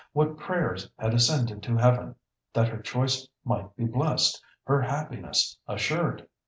What prayers had ascended to Heaven that her choice might be blessed, her happiness assured!